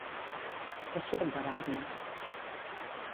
Què surt de l'arma?